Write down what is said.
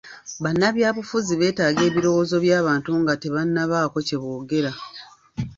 Bannabyabufuzi beetaaga ebirowoozo by'abantu nga tebannabaako kye boogera.